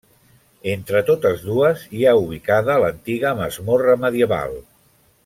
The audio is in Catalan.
Entre totes dues hi ha ubicada l'antiga masmorra medieval.